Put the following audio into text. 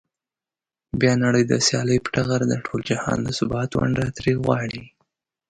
بیا نړۍ د سیالۍ پر ټغر د ټول جهان د ثبات ونډه ترې وغواړي.